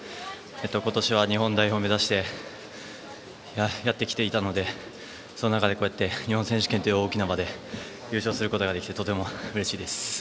今年は日本代表を目指してやってきていたのでその中でこうやって日本選手権という大きな場で優勝することができてとてもうれしいです。